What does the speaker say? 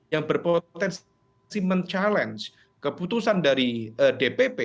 yang berpotensi mencabar keputusan dari dpp